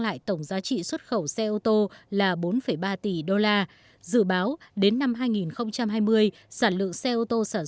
lại tổng giá trị xuất khẩu xe ô tô là bốn ba tỷ đô la dự báo đến năm hai nghìn hai mươi sản lượng xe ô tô sản